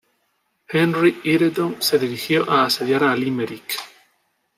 Henry Ireton, se dirigió a asediar a Limerick.